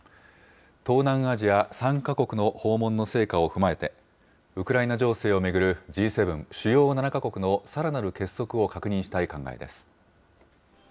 東南アジア３か国の訪問の成果を踏まえて、ウクライナ情勢を巡る、Ｇ７・主要７か国のさらなる結束を確認したい考えです。